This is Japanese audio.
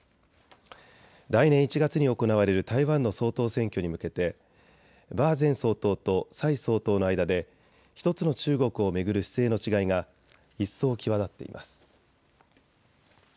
来年１月に行われる台湾の総統選挙に向けて馬前総統と蔡総統の間で１つの中国を巡る姿勢の違いが一層際立っています。